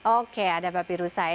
oke ada babi rusa